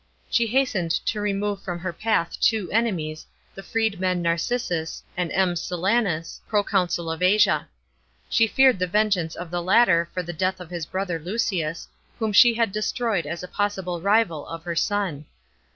She hastened to remove from her path two enemies, t1 e freedman Narcissus, and M. Silanus, pro consul of Asia. She feared the vengeance of the latter for the death of his brother Lucius, whom she had destroyed as a possible rival of her son.